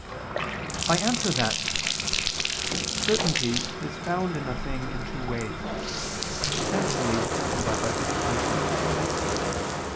I answer that, Certainty is found in a thing in two ways, essentially and by participation.